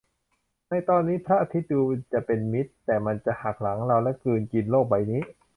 ในตอนนี้พระอาทิตย์ดูจะเป็นมิตร แต่มันจะหักหลังเราและกลืนกินโลกใบนี้